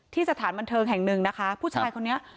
สถานบันเทิงแห่งหนึ่งนะคะผู้ชายคนนี้